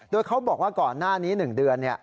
โดยเขาบอกว่าก่อนหน้านี้๑เดือน